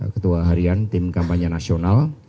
ketua harian tim kampanye nasional